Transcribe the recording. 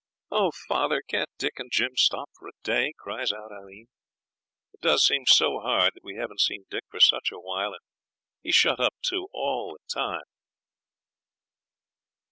'Oh! father, can't Dick and Jim stop for a day?' cries out Aileen. 'It does seem so hard when we haven't seen Dick for such a while; and he shut up too all the time.'